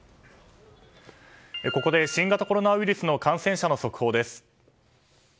ここで新型コロナウイルスの感染者の速報です。